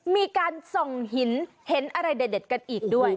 มีการส่องหินเห็นอะไรเด็ดกันอีกด้วย